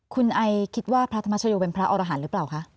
คุณไอคิดว่าพระธรรมชโยเป็นพระอรหันต์หรือเปล่าคะ